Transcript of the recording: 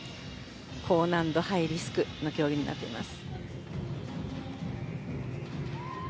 高難度ハイリスクの競技になってます。